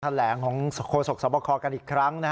แถลงของโศกสมพครอบครกันอีกครั้ง